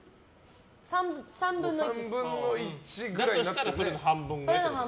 ３分の１。だとしたら、それの半分ぐらい。